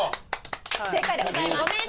正解でございます。